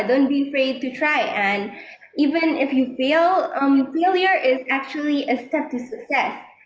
jangan takut untuk mencoba dan bahkan jika kamu gagal kegagalan itu sebenarnya adalah langkah ke sukses